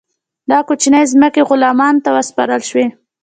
دا کوچنۍ ځمکې غلامانو ته وسپارل شوې.